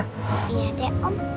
iya deh om